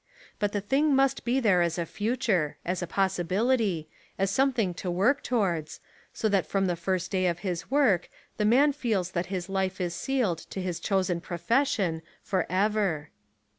But the thing must be there as a future, as a possibility, as something to work towards, so that from the first day of his work the man feels that his life is sealed to his chosen pro fession forever.